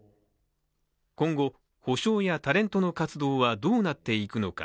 今後、補償やタレントの活動はどうなっていくのか。